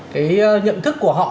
cái nhận thức của họ